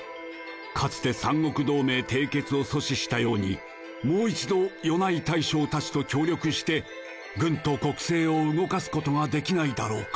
かつて三国同盟締結を阻止したようにもう一度米内大将たちと協力して軍と国政を動かすことができないだろうか。